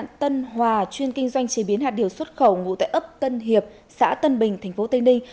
công ty trách nhiệm hữu hoạn tân hòa chuyên kinh doanh chế biến hạt điều xuất khẩu ngụ tại ấp tân hiệp xã tân bình tp tây ninh